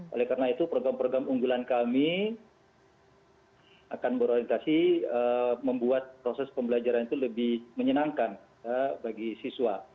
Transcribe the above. oleh karena itu program program unggulan kami akan berorientasi membuat proses pembelajaran itu lebih menyenangkan bagi siswa